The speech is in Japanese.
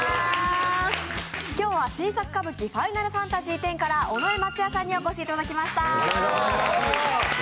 今日は、「新作歌舞伎ファイナルファンタジーⅩ」から尾上松也さんにお越しいただきました。